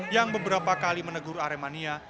yang beberapa kali menegur aremania